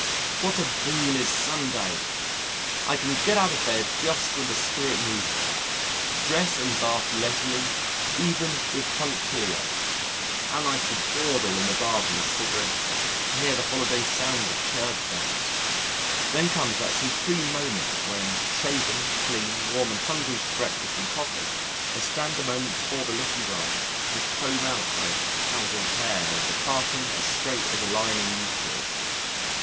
What a boon is Sunday! I can get out of bed just when the spirit moves me, dress and bath leisurely, even with punctilio. How nice to dawdle in the bath with a cigarette, to hear the holiday sound of Church bells! Then comes that supreme moment when, shaven, clean, warm and hungry for breakfast and coffee, I stand a moment before the looking glass and comb out my towzled hair with a parting as straight as a line in Euclid.